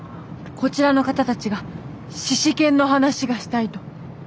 こちらの方たちがシシケンの話がしたいと。